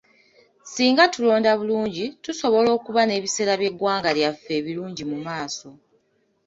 Singa tulonda bulungi tusobola okuba n'ebiseera by'egwanga lyaffe ebirungi mu maaso.